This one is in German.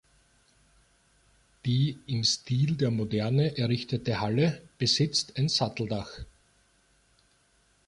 Die im Stil der Moderne errichtete Halle besitzt ein Satteldach.